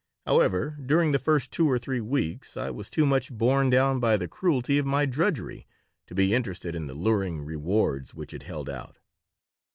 However, during the first two or three weeks I was too much borne down by the cruelty of my drudgery to be interested in the luring rewards which it held out.